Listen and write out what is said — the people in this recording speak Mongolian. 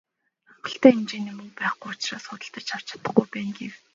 "Хангалттай хэмжээний мөнгө байхгүй учраас би худалдаж авч чадахгүй байна" гэв.